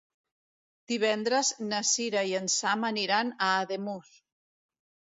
Divendres na Sira i en Sam aniran a Ademús.